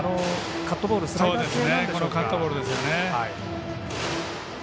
カットボールですよね。